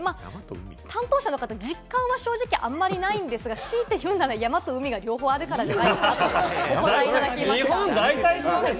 担当者の方は、実感は正直あまりないんですが、しいて言うなら山と海が両方あるからじゃないかということです。